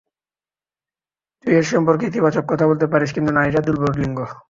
তুই এর সম্পর্কে ইতিবাচক কথা বলতে পারিস, কিন্তু নারীরা দুর্বল লিঙ্গ!